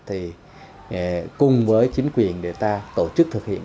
thì cùng với chính quyền để ta tổ chức thực hiện